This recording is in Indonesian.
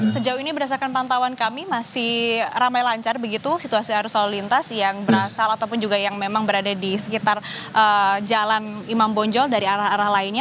sejauh ini berdasarkan pantauan kami masih ramai lancar begitu situasi arus lalu lintas yang berasal ataupun juga yang memang berada di sekitar jalan imam bonjol dari arah arah lainnya